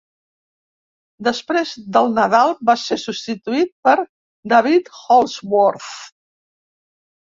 Després del nadal va ser substituït per David Holdsworth.